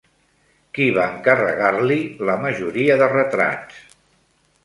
Qui va encarregar-li la majoria de retrats?